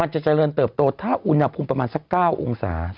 จะเจริญเติบโตถ้าอุณหภูมิประมาณสัก๙องศา